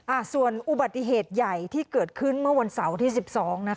อ่าส่วนอุบัติเหตุใหญ่ที่เกิดขึ้นเมื่อวันเสาร์ที่สิบสองนะคะ